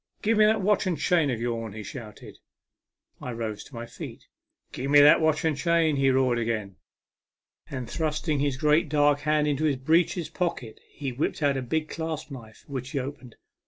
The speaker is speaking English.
" Grive me that watch and chain of yourn !" he shouted. I rose to my feet. " Grive me that watch and chain," he roared again, and thrusting his great dark hand into his breeches pocket he whipped out a big clasp knife, which he opened.